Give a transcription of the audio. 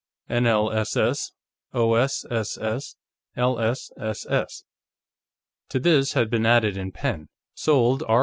NLss, OSss, LSss._ To this had been added, in pen: _Sold, R.